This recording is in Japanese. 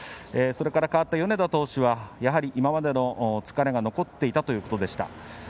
それから代わった米田投手はやはり今までの疲れが残っていたということでした。